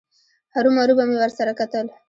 هرومرو به مې ورسره کتل.